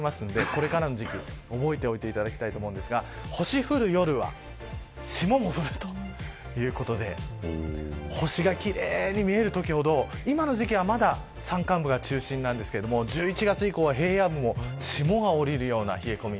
これからの時期に覚えておいてほしいんですが星降る夜は霜も降るということで星が奇麗に見えるときほど今の時期は山間部が中心ですが１１月以降は平野部も霜が降りるような冷え込み。